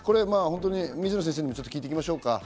水野先生にも聞いていきましょう。